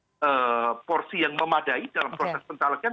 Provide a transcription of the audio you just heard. dan juga ada sebagiannya yang memadai dalam konteks pentadagan